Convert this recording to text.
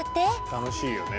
楽しいよね。